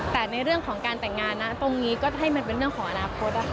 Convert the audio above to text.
แต่ในเรื่องของการแต่งงานนะตรงนี้ก็ให้มันเป็นเรื่องของอนาคตนะคะ